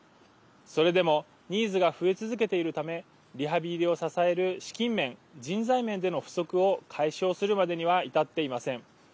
それでもニーズが増え続けているためリハビリを支える資金面人材面での不足を解消するまでには至っていません。